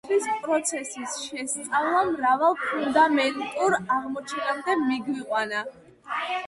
დაშლის პროცესების შესწავლამ მრავალ ფუნდამენტურ აღმოჩენამდე მიგვიყვანა.